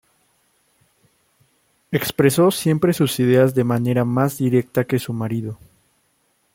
Expresó siempre sus ideas de manera más directa que su marido.